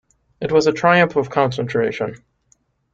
It was a triumph of concentration.